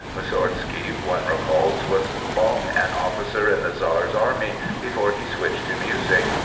Moussorgsky, one recalls, was long an officer in the Czar's Army before he switched to music.